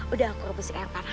udah aku rebusin air panas